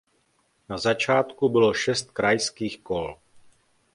Na začátku bylo šest krajských kol.